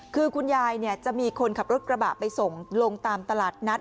คือคุณยายจะมีคนขับรถกระบะไปส่งลงตามตลาดนัด